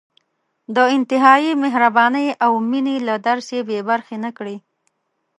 د انتهايي مهربانۍ او مېنې له درس بې برخې نه کړي.